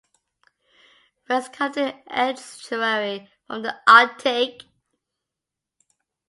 Birds come to the estuary from the Arctic.